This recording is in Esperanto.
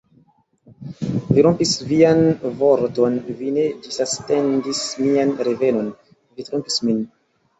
Vi rompis vian vorton, vi ne ĝisatendis mian revenon, vi trompis min!